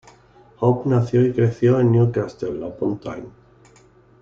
Hope nació y creció en Newcastle upon Tyne.